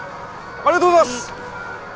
ありがとうございます！